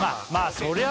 そりゃ